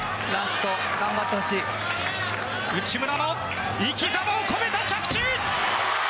内村の生きざまを込めた着地！